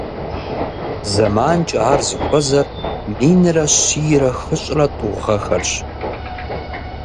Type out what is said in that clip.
ЗэманкӀэ ар зыхуэзэр минрэ щийрэ хыщӀрэ тӀу гъэхэрщ.